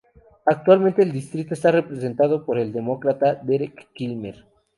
Actualmente el distrito está representado por el Demócrata Derek Kilmer.